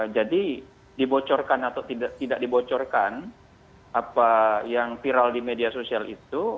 dibocorkan atau tidak dibocorkan apa yang viral di media sosial itu